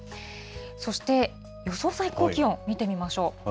そして、予想最高気温、見てみましょう。